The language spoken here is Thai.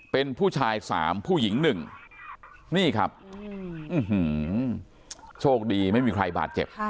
เป็นผู้ชาย๓ผู้หญิง๑นี่ครับโชคดีไม่มีใครบาดเจ็บ